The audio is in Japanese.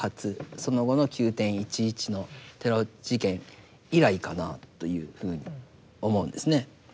その後の９．１１のテロ事件以来かなというふうに思うんですね。